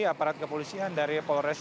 aparat kepolisian dari polres